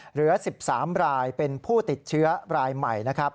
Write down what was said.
เหลือ๑๓รายเป็นผู้ติดเชื้อรายใหม่นะครับ